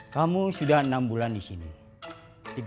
kamu sudah enam bulan disini